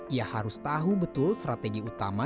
ia harus tahu betul strategi utama